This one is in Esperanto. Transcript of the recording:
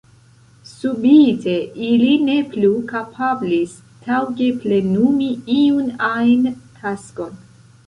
Subite, ili ne plu kapablis taŭge plenumi iun ajn taskon.